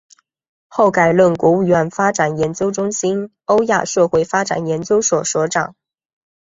后改任国务院发展研究中心欧亚社会发展研究所所长。